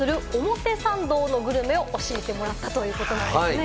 表参道のグルメを教えてもらったということなんですね。